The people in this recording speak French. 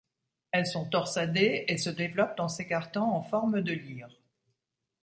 Elles sont torsadées et se développent en s'écartant en forme de lyre.